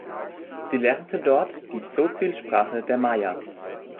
Sie lernte dort die Tzotzil-Sprache der Maya.